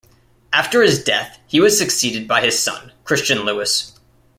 After his death, he was succeeded by his son Christian Louis.